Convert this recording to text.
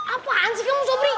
apaan sih kamu sobri